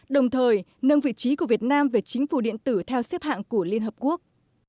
đồng thời nâng vị trí của việt nam về chính phủ điện tử theo xếp hạng của liên hợp quốc